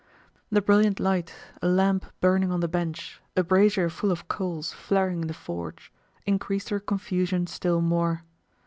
The brilliant light, a lamp burning on the bench, a brazier full of coals flaring in the forge, increased her confusion still more.